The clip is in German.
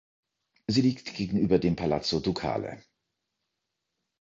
Sie liegt gegenüber dem Palazzo Ducale.